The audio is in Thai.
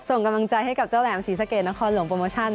ส่งกำลังใจให้กับเจ้าแหลมศรีสะเกดนครหลวงโปรโมชั่น